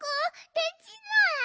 でちない。